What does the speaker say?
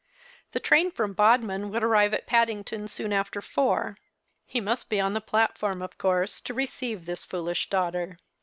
The train from Bodmin would arrive at Paddington soon after four. He must be on the platform, of course, to receive this foolish daughter.